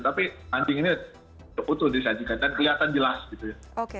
tapi anjing ini utuh disajikan dan kelihatan jelas gitu ya